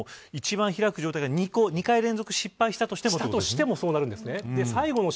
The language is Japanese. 一番開く状態が２回失敗したとしてもそうなるんですね。